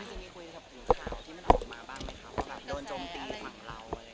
พี่จริงคุยกับผู้ข่าวที่มันออกมาบ้างว่าโดนจมตีหลังเรา